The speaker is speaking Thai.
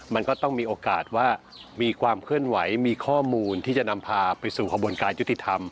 มันก็ต้องมีโอกาสว่ามีความเคลื่อนไหวมีข้อมูลที่จะนำพาไปสู่กระบวนการยุติธรรม